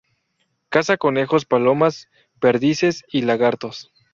Caza conejos, palomas, perdices y lagartos.